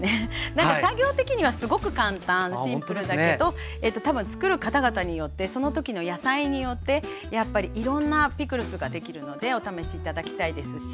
なんか作業的にはすごく簡単シンプルだけど多分つくる方々によってその時の野菜によってやっぱりいろんなピクルスができるのでお試し頂きたいですし。